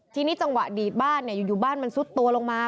ทีนี้จังหวะดีดบ้านอยู่บ้านมันซุดตัวลงมา